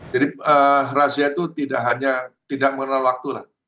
jadi rahasia itu tidak hanya tidak mengenal waktu lah